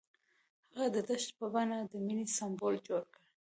هغه د دښته په بڼه د مینې سمبول جوړ کړ.